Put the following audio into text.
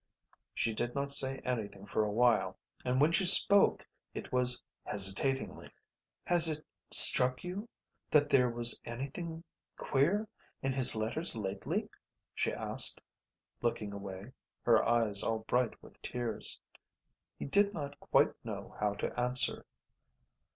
She did not say anything for a while, and when she spoke it was hesitatingly. "Has it struck you that there was anything queer in his letters lately?" she asked, looking away, her eyes all bright with tears. He did not quite know how to answer.